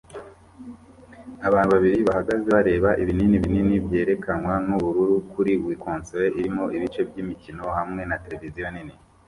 Abantu babiri bahagaze bareba ibinini binini byerekanwa n'ubururu kuri Wii konsole irimo ibice by'imikino hamwe na televiziyo nini